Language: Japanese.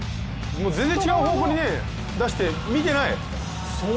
全然違う方向に出して見てない！